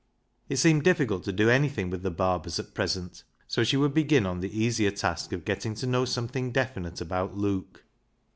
It seemed difficult to do anything with the Barbers at present, so she would begin on the easier task of getting to know something definite about Luke.